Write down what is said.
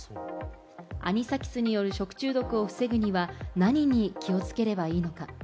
アニサキスによる食中毒を防ぐには、何に気をつければいいのか？